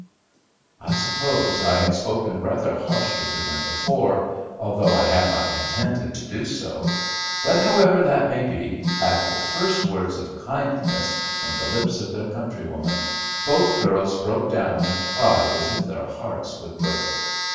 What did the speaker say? I suppose I had spoken rather harshly to them before, although I had not intended to do so, but however that may be, at the first words of kindness from the lips of their countrywoman both girls broke down and cried as if their hearts would break.